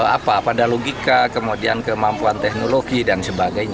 apa pada logika kemudian kemampuan teknis